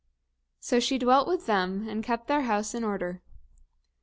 And so she remained with them, and kept their house in order.